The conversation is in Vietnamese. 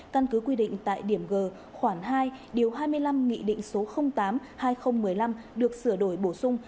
căn cứ quy định tại điểm g khoảng hai điều hai mươi năm nghị định số tám hai nghìn một mươi năm được sửa đổi bổ sung